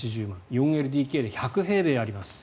４ＬＤＫで１００平米あります。